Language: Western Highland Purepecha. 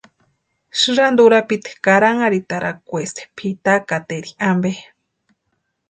Sïranta urapiti karanharhitarakweesti pʼitakateri ampe.